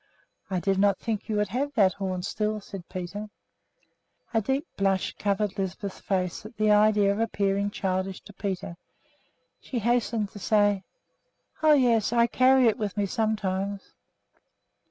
"I did not think you would have that horn still," said Peter. A deep blush covered Lisbeth's face at the idea of appearing childish to Peter. She hastened to say, "Oh, yes; I carry it with me sometimes."